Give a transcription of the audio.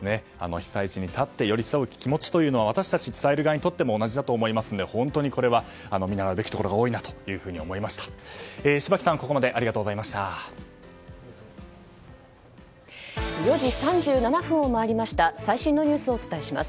被災地に立って寄り添う気持ちは私たち伝える側も同じだと思いますので見習うべきところが多いなと思います。